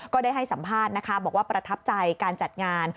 ได้ให้สัมภาษณ์นะคะบอกว่าประทับใจการจัดงาน